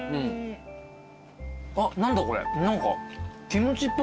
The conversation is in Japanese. あっ何だこれ。何か。